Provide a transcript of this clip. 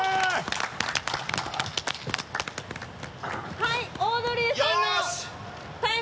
はいオードリーさんのタイム。